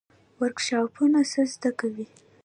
ورکشاپونه څه زده کوي؟